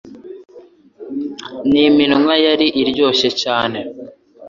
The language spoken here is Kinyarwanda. N'iminwa yari iryoshye cyane;